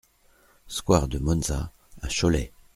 Square de Monza à Cholet